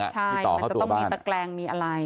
ใช่มันจะต้องมีตะแกรงมีอะไร